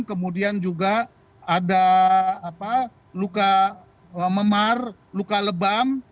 kemudian juga ada luka memar luka lebam